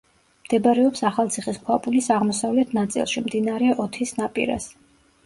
მდებარეობს ახალციხის ქვაბულის აღმოსავლეთ ნაწილში, მდინარე ოთის ნაპირას.